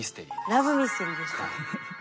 ラブミステリーでした。